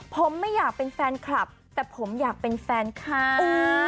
ผมไม่อยากเป็นแฟนคลับแต่ผมอยากเป็นแฟนคลับ